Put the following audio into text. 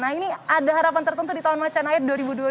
nah ini ada harapan tertentu di tahun macan air